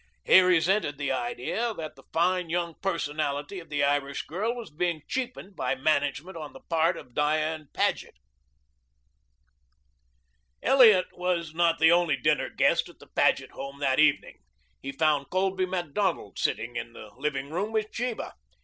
He resented the idea that the fine, young personality of the Irish girl was being cheapened by management on the part of Diane Paget. Elliot was not the only dinner guest at the Paget home that evening. He found Colby Macdonald sitting in the living room with Sheba.